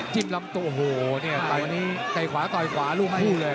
จิบลำโตโหตอนนี้ใกล้ขวาต่อยขวาลูกคู่เลย